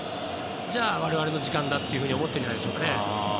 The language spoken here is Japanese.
じゃあ我々の時間だって思っているんじゃないでしょうかね。